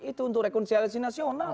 itu untuk rekonsiliasi nasional